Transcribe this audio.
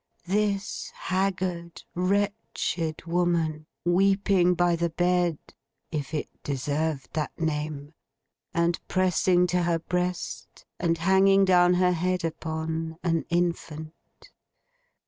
This haggard, wretched woman, weeping by the bed, if it deserved that name, and pressing to her breast, and hanging down her head upon, an infant.